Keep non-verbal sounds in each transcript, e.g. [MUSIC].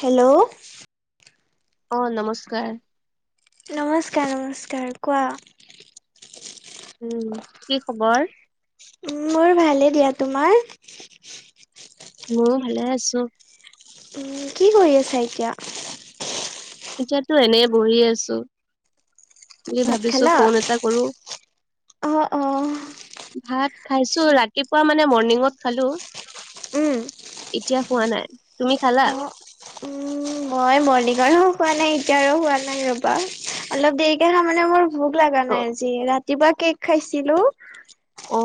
Hello? অ'! নমস্কাৰ। নমস্কাৰ, নমস্কাৰ! কোৱা? উম, কি খবৰ? মোৰ ভালেই দিয়া, তোমাৰ? মোৰো ভালে আছোঁ। উম কি কৰি আছা এতিয়া? এতিয়াতো, এনেই বহি আছোঁ। বুলি ভাত ভাবিছোঁ! খালা ফোন এটা কৰোঁ। অ অ উম ভাত খাইছোঁ। ৰাতিপুৱা মানে, মৰ্ণিঙত খালোঁ। উম! এতিয়া খোৱা নাই। তুমি খালা? উম মই মৰ্ণিঙৰো খোৱা নাই, এতিয়াৰো খোৱা নাই ৰ'বা! অলপ দেৰিকে খাম মানে, মোৰ ভোক লগা অ নাই আজি, ৰাতিপুৱা কে'ক খাইছিলোঁ। অ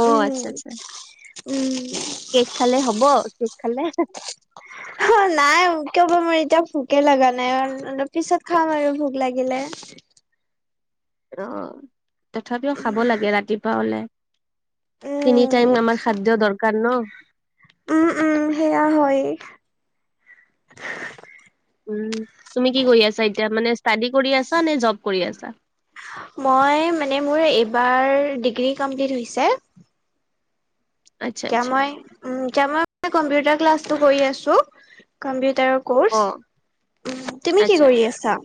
অ আচ্ছা আচ্ছা উম, উম। কে'ক খালে হ'ব, কে'ক খালে? অ'! নাই, কিয় বা মোৰ এতিয়া, ভোকে লগা নাই। অলপ পিছত, খাম আৰু ভোক লাগিলে। অ'! তথাপিও খাব লাগে, ৰাতিপুৱা হ'লে। তিনি উম টাইম আমাৰ খাম খাদ্য দৰকাৰ ন'! উম উম সেয়া হয়। উম, তুমি কি কৰি আছা এতিয়া? মানে, ষ্টাডি কৰি আছা নে, জব কৰি আছা? মই মানে, মোৰ এইবাৰ, ডিগ্ৰী কমপ্লিট হৈছে। আচ্ছা এতিয়া আচ্ছা মই, উম, এতিয়া মই, কম্পিউটাৰ ক্লাছটো কৰি আছোঁ। কম্পিউটাৰ অ কোৰ্চ। তুমি কি আচ্ছা কৰি আছা?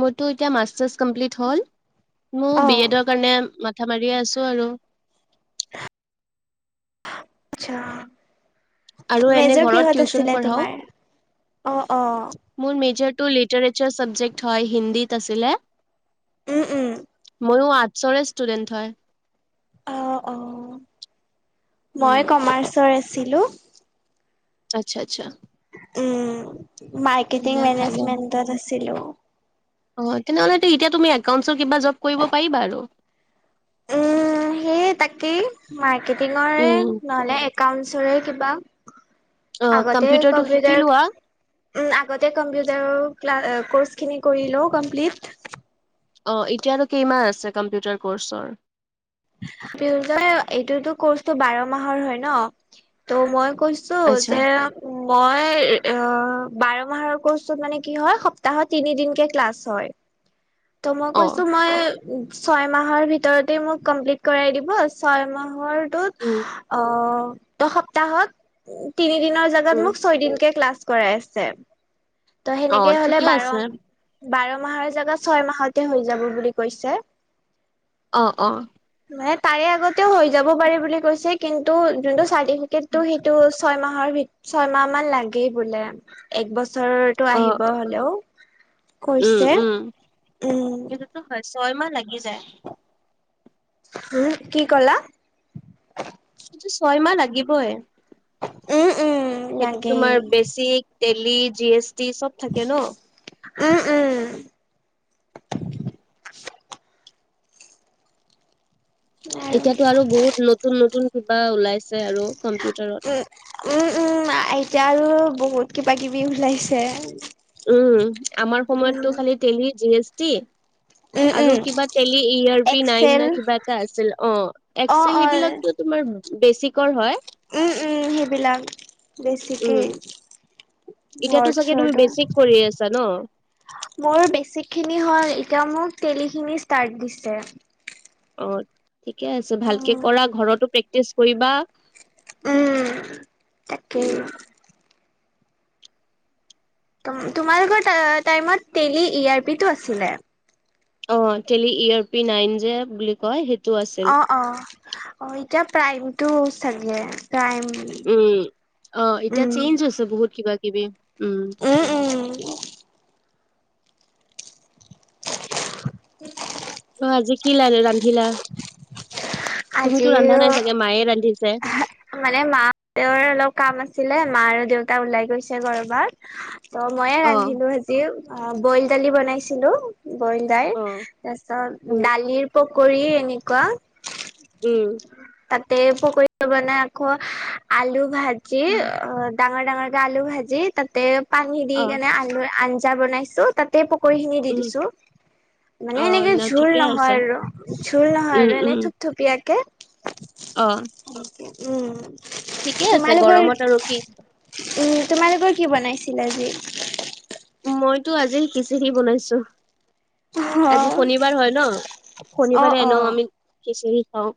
মোৰতো এতিয়া, মাষ্টাৰ্ছ কমপ্লিট হ'ল। মইয়ো অ বি এডৰ কাৰণে, মাথা মাৰিয়ে আছোঁ আৰু। [UNINTELLIGIBLE] আচ্ছা! আৰু এনে মেজৰ ঘৰত কিহত টিউচন আছিলে, পঢ়াও তোমাৰ? অ' অ'! মোৰ মেজৰটো, লিটাৰেচাৰ চাবজেক্ট হয়, হিন্দীত আছিলে। উম, উম। মইয়ো আৰ্টচৰে ষ্টুডেন্ট হয়। অ' অ'! উম মই কমাৰ্চৰ আছিলোঁ। আচ্ছা, আচ্ছা! উম, মাৰ্কেটিং দিয়া ভালে মেনেজমেন্টত আছিলোঁ। অ'! তেনেহ'লেতো, এতিয়া তুমি, একাউণ্টচৰ কিবা জব কৰিব পাৰিবা আৰু? উম, সেইয়ে তাকেই, মাৰ্কেটিঙৰে উম নহ'লে, একাউন্টছৰে কিবা, অ আগতে কম্পিউটাৰটো শিকি কম্পিউটাৰ লোৱা উম, আগতে কম্পিউটাৰ ক্লাছ, কোৰ্চ খিনি কৰি লওঁ কমপ্লিট। অ'! এতিয়ানো কেইমাহ আছে, কম্পিউটাৰ কোৰ্চৰ? এইটোতো, কোৰ্চটো বাৰ মাহৰ হয় ন' ত' মই কৈছোঁ কৈছোঁ! আচ্ছা যে মই, অ'! বাৰ মাহৰ কোৰ্চটোত মানে, কি হয়! সপ্তাহত তিনিদিনকে ক্লাছ হয়। [INAUDIBLE] ত মই অ কৈছোঁ মই ছয় মাহৰ ভিতৰতে মোক কমপ্লিট কৰাই দিব ছয় উম মাহৰটোত সপ্তাহত তিনি দিনৰ জাগাত উম মোক ছয় দিনকে ক্লাছ কৰাই আছে ত অ সেনেকে হলে ঠিকে বাৰ আছে বাৰ মাহৰ জোগা ছয় মাহতে হৈ যাব বুলি কৈছে অ', অ'। মানে তাৰে আগতেও হৈ যাব পাৰেি বুলি কৈছে কিন্তু যোনটো চাৰ্টিফিকেটটো সেইটো ছয় মাহৰ ভিতৰত ছয়মাহ মান লাগেই বোলে এক বছৰটো অ আহিব হ'লেও উম, কৈছে উম উম, সটোতো হয় ছয়মাহ লাগি যায়। উম কি ক'লা? ততটো ছয় মাহ লাগিবই। উম, উম। সেইটোত লাগেই তোমাৰ basic Tally G S T চব থাকে ন। উম, উম। হয়। উম। এতিয়াতো আৰু বহুত নতুন, নতুন কিবা ওলাইছে আৰু কম্পিউটাৰত। উম, উম, উম এতিয়া আৰু বহুত কিবা কিবি ওলাইছে। উম আমাৰ সময়ততো উম, খালি টেলি, জি এছ টি। উম, উম, আৰু কিবা Tally ERP nine Excel ন কিবা এটা আছিল অ অ', এক্সেল অ'। সেইবিলাকো তোমাৰ বেছিকৰ হয়। উম, উম সেইবিলাক বেছিকে উম। এতিয়াতো ৱৰ্ড চাগে তুমি চৰ্ডৰ বেছিক কৰি আছা ন। মোৰ বেছিক খিনি হল এতিয়া মোক তেলিখিনি ষ্টাৰট দিছে। অ', ঠিকে আছে ভালকে উম কৰা ঘৰতো প্ৰেক্টিচ কৰিবা। উম, তাকেই। উম, তোমালোকৰ টাইমত তেলি ই আৰ পি টো আছিলে। অ', টেলি ইয়ৰ পি নাইন যে বুলি কয় সেইটো আছিল। অ', অ', অ', এতিয়া প্ৰাইমটো চাগে প্ৰাইম উম, অ এতিয়া উম চেইঞ্জ হৈছে বহুত কিবা কিবি উম। উম, উম অ', আজি কি ল ৰান্ধিলা তুমিতো ৰান্ধা আজিও নাই চাগে মায়ে ৰান্ধিছে। মানে মা দেৰ অলপ কাম আছিলে মা আৰু দেউতা ওলাই গৈছে কৰ'বাত ত' মইয়ে অ'। ৰান্ধিলো আজি অ', বইল দালি বনাইছিলোঁ। বইল দাল অ' তাৰপিছত উম, দালিৰ পকৰি এনেকুৱা উম। তাতে পকী বনাই আকৌ আলু ভাজি উম। অ' ডাঙৰ ডাঙৰকে আলু ভাজি তাতে পানী দি অ' কেনে আলু আঞ্জা বনাইছোঁ তাত তাতেই পকৰী খিনি দি উম, দিছোঁ। মানে অ' এনেকে ন ঝোল ঠিকে আছে। নহয় আৰু ঝোল নহয় উম, আৰু উম, এনেই থূপথূপীয়াকে অ'। উম। ঠিকে আছে তোমালোকৰ গৰমত আৰু কি। উম, তোমালোকৰ কি বনাইছিল আজি? মইতো আজি খিচিৰি বনাইছোঁ। আজি অ', শনিবাৰ হয় ন অ', শনিবাৰে এনেও অ', আমি খিচিৰি খাওঁ।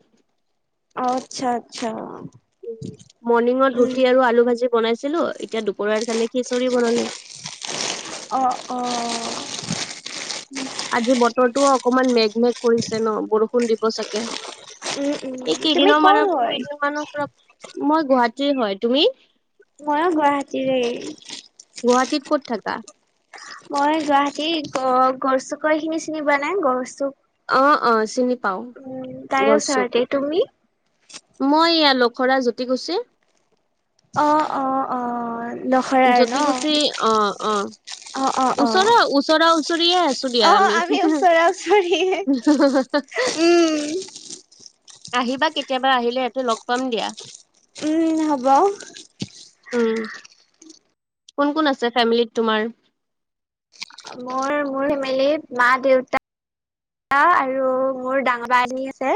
আচ্ছা, আচ্ছা। উ মৰ্ণিংত ৰুটি আৰু আলু ভাজি বনাইছিলোঁ এতিয়া দুপৰাৰ কাৰণে খিচৰি বনালো। অ', অ'। আজি বতৰটো অকমান মেঘ মেঘ কৰিছে ন বৰষুণ দিব চাগে। উম, উম, এই তুমি কেইদিনৰ ক'ৰ মানৰ হয়? কেইদিনমানৰ পৰা মই গুৱাহাটীৰ হয়, তুমি? মইও গুৱাহাটীৰে। গুৱাহাটীত ক'ত থাকা? মই গুৱাহাটী গ গৰ চুক এই খিনি চিনি পোৱা নাই গৰ চুক অ অ চিনি পাও তাৰে গৰ চুক। ওচৰতে, তুমি? মই ইয়া লখৰা জ্যোতি কুছি। অ অ অ। লখৰাৰ ন? যতি কুছি অ অ। অ', অ', অ', অ', ওচৰা ওচৰা ওচৰিয়ে আছো দিয়া আমি। ওচৰা ওচৰিয়ে। উম, আহিবা কেতিয়াবা আহিলে ইয়াতে লগ পাম দিয়া। উম হ'ব। উম। কোন কোন আছে ফেমিলিত তোমাৰ? মোৰ মোৰ ফেমিলি মা-দেউতা আৰু মোৰ ডাঙৰ বা এজনী আছে।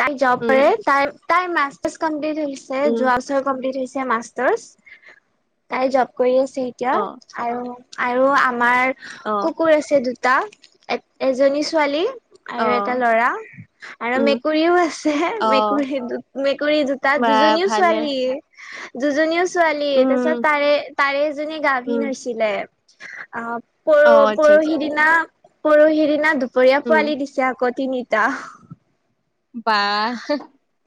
তাই [UNINTELLIGIBLE] উম তাই তাইৰ মাষ্টাৰ্ছ কমপ্লিট হৈ গৈছে। উম যোৱা যোৱা বাৰ কম্পিলত হৈছে মাষ্টাৰ্ছ, তাই জব কৰি আছে এতিয়া। অ আৰু আৰু আমাৰ অ কুকুৰ আছে দুটা এ এজনী ছোৱালী আৰু অ এটা ল'ৰা, আৰু উম মি মেকুৰীও আছে অ মেকুৰী দু মেকুৰী দুটা বা দুজনীও ভালে ছোৱালীৱে। দুজনীও ছোৱালী, উম তাৰপিছত তাৰে তাৰে এজনী উম গাভিন হৈছে। অ অ আচ্ছা আচ্ছা পৰহি দিনা পৰি দিনা দু দুপোৰীয়া উম পোৱালি দিছে আকৌ তিনিটা। বা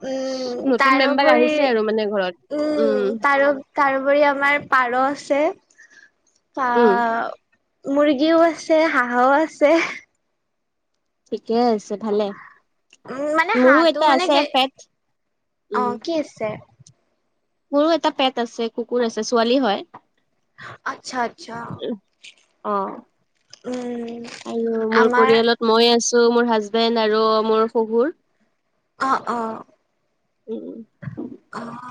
উম নতুন মেম্বাৰ তাৰোপৰি আহিছে আৰু মানে ঘৰত। উম তাৰো তাৰোপৰি আমাৰ পাৰ আছে, আ উম, মুৰ্গীও আছে, হাঁহও আছে। ঠিকে আছে ভালে। উম মানে মোৰো হাঁহটো এটা মানে আছে কে পেট অ উম। কি আছে মোৰো এটা পেট আছে, কুকুৰ আছে। ছোৱালী হয়। আচ্ছা আচ্ছা। অ', উম আৰু মোৰ আমাৰ পৰিয়ালত মই আছো মোৰ হাজবেণ্ড আৰু মোৰ শহুৰ। অ অ উম, অ।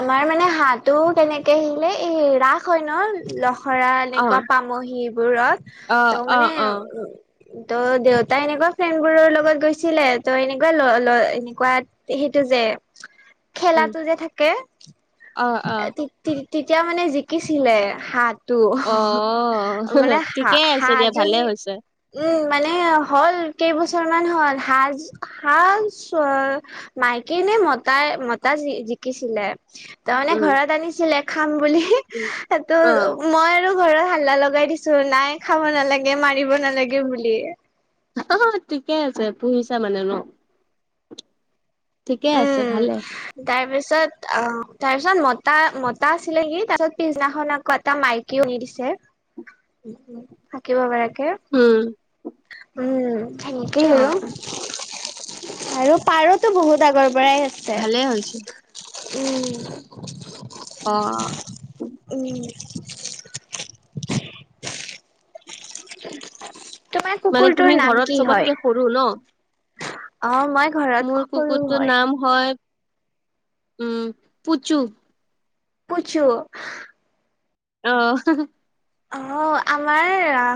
আমাৰ মানে হাঁহটো কেনেকে আহিলে এ ৰাস হয় ন খৰা অ', এনেকুৱা পাম সিবোৰত অ', ত অ', মানে অ', উ ত দেউতা এনেকুৱা ফ্ৰেণ্ড বোৰৰ লগত গৈছিলে। ত এনেকুৱা ল ল এনেকুৱাত সেইটো যে উম, খেলাতো যে থাকে, অ', অ'। তে-তে-তেতিয়া মানে জিকিছিলে হাত অ', মানে ঠিকে আছে দিয়া ভালে হাঁহ-হাঁহজনী হৈছে, উম মানে হ'ল কেইবছৰ মান হ'ল। হাঁহ-হাঁহ মাইকী নে মতাই মতা জী জিকিছিলে। তাৰ মানে উম, ঘৰত আনিছিলে খাম বুলি উম। তাতো অ', মই আৰু ঘৰত হাল্লা লগাই দিছো, নাই খাব নালাগে মাৰিব নালাগে বুলি। অ ঠিকে আছে পুহিছা মানে ন। ঠিকে আছে ভালে। তাৰ পিছত অ তাৰ পিছত মতা-মতা আছিলে নে, তাৰ পিছত পিছনাখন আকৌ এটা মাইকী কি আনি নিদিছে। [INAUDIBLE] থাকিব পৰাকে। উম। উম সনেকেই অ', আৰু। আৰু পাৰতো বহুত আগৰ পৰাই আছে ভালে হৈছে। উম। অ'। উম। তোমাৰ কুকুৰটোৰ নাম কি হয়? ব্ৰন। অ' মই ঘৰত মোৰ সৰু কুকুৰটোৰ হয়। নাম হয়, উম, পুচু। পু্ুচু। অ'। অ' আমাৰ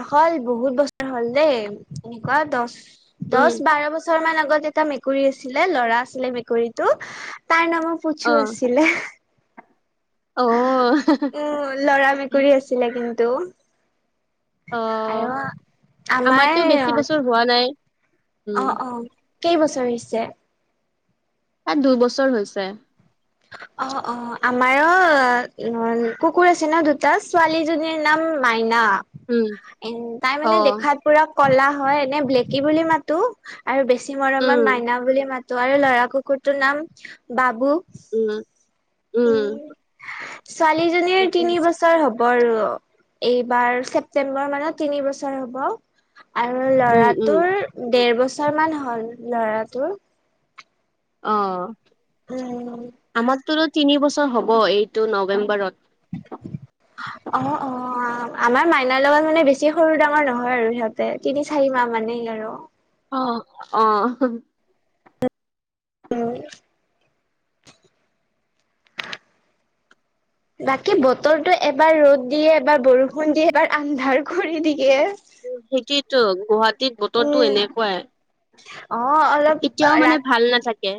হল বহুত বছৰ হ'ল দেই, এনেকুৱা দহ উম দহ বাৰ বছৰ শৰ্মাৰ আগত এটা মেকুৰী আছিলে, ল'ৰা আছিলে মেকুৰীতটো, তাৰ নামত পুচু অ' আছিলে। অ'। উম, ল'ৰা মেকুৰী আছিলে কিন্তু। অ' আৰু, আমাৰতো বেছি আমাৰ বছৰ হোৱা নাই। উম অ' অ' কেই বছৰ হৈছে? তাৰ দুইবছৰ হৈছে। অ' অ' আমাৰো ন কুকুৰ আছে দুটা, ছোৱালী জনীৰ নাম মাইনা। উম এ তাই মানে অ' দেখাত পুৰা কলা হয়, এনে ব্লেকি বুলি মাতো। আৰু বেছি উম মৰমত মাইনা বুলি মাতো, আৰু লৰা কুকুৰটোৰ নাম বাবু। উম, উম। ছোৱালীজনীৰ ঠিকে তিনি আছে বছৰ হ'ব। হ'ব আৰু, এইবাৰ ছেপ্তেম্বৰ মানত তিনি বছৰ হ'বহ আৰু উম উম লৰাটোৰ দেৰ বছৰ মান হ'ল লৰাটোৰ। অ'। উম। আমাৰতো তিনি বছৰ হ'ব এইটো নৱেম্বৰত। অ' অ' আমাৰ মাইনাৰ লগত মানে বেছি সৰু ডাঙৰ নহয় আৰু, সিহঁত তিনি চাৰি মাহ মানেই আৰু। অ' অ'। উম। [INAUDIBLE] বাকী বতৰটো এবাৰ ৰ'দ দিয়ে, এবাৰ বৰষুণ দিয়ে, এবাৰ আন্ধাৰ কৰি দিয়ে। সেইটোতো গুৱাহাটীত বতৰতো উম, এনেকুৱাই, অ', অলপ কেতিয়াও ৰাত মানে ভাল নাথাকে।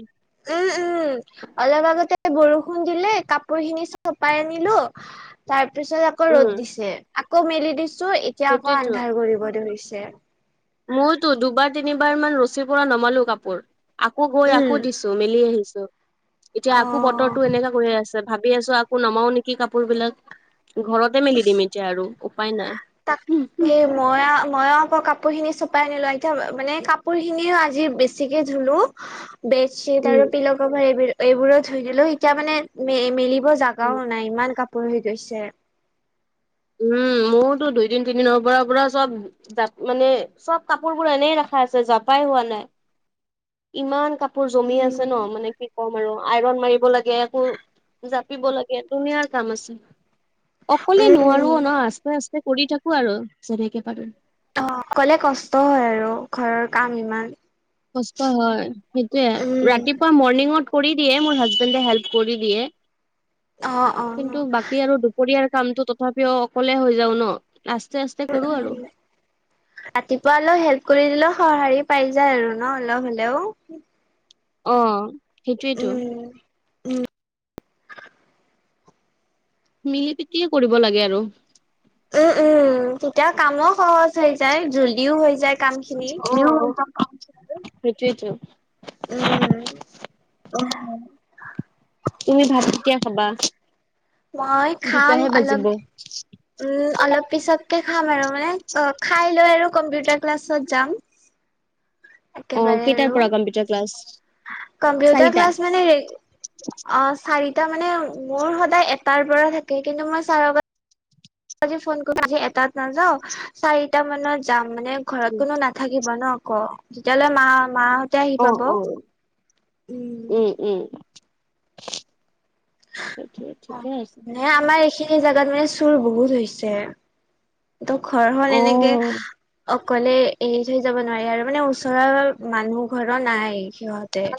উম, উম। অলপ আগতে বৰষুণ দিলে কাপোৰ খিনি চপাই আনিলো, তাৰ পিছত আকৌ উম ৰ'দ দিছে, আকৌ মেলি দিছো এতিয়া আকৌ সেইটোয়েতো আন্ধাৰ কৰিব ধৰিছে। মইতো দুবাৰ তিনিবাৰ মান ৰছীৰ পৰা নমালো কাপোৰ। আকৌ গৈ উম, আকৌ দিছো, মেলি আহিছো, এতিয়া আকৌ অ'। বতৰটো এনেকা আছে ভাবি আছো, আকৌ নমাও নেকি কাপোৰ বিলাক, ঘৰত ততে মেলি দিম এতিয়া আৰু, উপায় তাকে নাই। মই মইও আকৌ কাপোৰ খিনি চপাই আনিলো, এতিয়া মানে কাপোৰ খিনিও আজি বেছিকে ধুলো। বেডশ্বীট আৰু পিলোকভাৰ এইবোৰ এইবোৰো ধুই দিলো, এতিয়া মানে ম মেল ক জাগাও নাই, ইমান কাপোৰ হৈ গৈছে। উম, মোৰতো দুইদিন তিনিদিনৰ পৰা পৰা চব জাপ, মানে চব কাপোৰবোৰ এনেই ৰখা আছে জপাই হোৱা নাই। ইমান কাপোৰ জমি আছে উম ন মানে কি কম আৰু আইৰন মাৰিব লাগে একো জাপিব লাগে ধুনীয়াাৰ কাম আছে। অকলে উম নোৱাৰো উম না আস্তে-আস্তে কৰি থাকো আৰু যেনেকে পাৰো। অ, অকলে কষ্ট হয় আৰু ঘৰৰ কাম ইমান। কষ্ট হয়, সেইটোয়ে উম ৰাতিপুৱা মৰ্ণিঙত কৰি দিয়ে মোৰ হাজবেন্ডে হেল্প কৰি দিয়ে অ অ কিন্তু বাকী আৰু দুপৰীয়াৰ কামটো তথাপিও অকলে হৈ যাও ন। আস্তে-আস্তে উম, উম, ৰাতিপুৱা অলপ হেল্প কৰি দিলেও সহাৰি পাই যায় আৰু ন অলপ হ'লেও। অ, সেইটোৱেতো। উম উম, মিলি পিতিয়ে কৰিব লাগে আৰু। উম, উম, তেতিয়া কামো সহজ হৈ যায় জল্দিও হৈ যায়। কাম খিনি সেইটোৱেটো, উম অ, তুমি ভাত কেতিয়া খাবা? মই খাম দুটাহে অলপ বাজিব উম, অলপ পিছতকে খাম আৰু মানে অ, খাই লৈ আৰু কম্পিউটাৰ ক্লাছত যাম। অহ, একেবাৰে কেইটাৰ আৰু পৰা কম্পিউটাৰ ক্লাছ? কম্পিউটাৰ চাৰিটা ক্লাছ মানে হেৰী, অ চাৰিটা মানে মোৰ সদায় এটাৰ পৰা থাকে কিন্তু মই চাৰ আজি ফোন কৰ আজি এটাত নাযাও চাৰিটা মানত যাম মানে ঘৰত কোনো নাথাকিব। থাকিব ন আকৌ তেতিয়ালৈ মা মাহতে আহি অ পাব। অ উম, উম উম সেইটোৱে ঠিকে আছে। এ আমাৰ এইখিনি জেগাত মানে চুৰ বহুত হৈছে। ত ঘৰ খন এনেকে অ। অ কলে এৰি থৈ যাব নোৱাৰি আৰু মানে ওচৰৰ মানুহ ঘৰৰ নাই সিহঁতে।